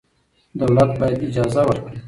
دولت باید اجازه ورکړي.